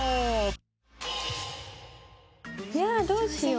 やぁどうしよう。